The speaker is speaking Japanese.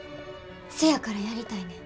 せやからやりたいねん。